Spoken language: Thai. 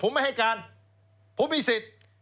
ผมไม่ให้การผมมีสิทธิ์